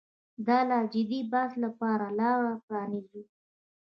د لا جدي بحث لپاره لاره پرانیزو.